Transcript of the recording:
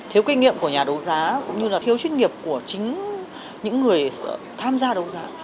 thiếu kinh nghiệm của nhà đấu giá cũng như là thiếu chuyên nghiệp của chính những người tham gia đấu giá